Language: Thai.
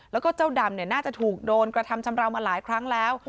แล้วก็เจ้าดำน่าจะถูกโดนกระทำชำราวมาหลายครั้งแล้ว